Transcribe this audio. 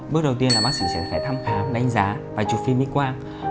bước đầu tiên là bác sĩ sẽ phải thăm khám đánh giá và chụp phim mỹ quang